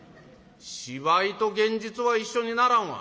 「芝居と現実は一緒にならんわ」。